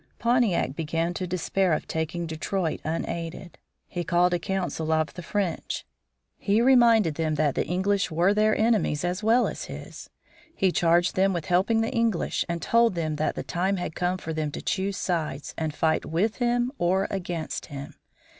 Pontiac began to despair of taking Detroit unaided. He called a council of the French. He reminded them that the English were their enemies as well as his. He charged them with helping the English and told them that the time had come for them to choose sides and fight with him or against him.